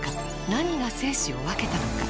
何が生死を分けたのか。